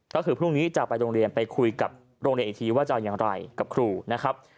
ก็คือพรุ่งนี้จะไปโรงเรียนไปคุยกับโรงเรียนอีกทีว่าจะอย่างไรกับครูนะครับ